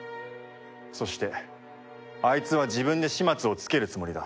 そしてあいつは自分で始末をつけるつもりだ。